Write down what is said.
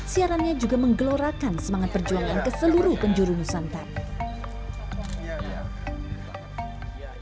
siarannya juga menggelorakan semangat perjualan ke seluruh penjuru nusantara